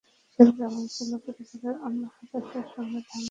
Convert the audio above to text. শেখ জামাল ছিল পরিবারের অন্য সদস্যদের সঙ্গে ধানমন্ডির একটি বাড়িতে বন্দী।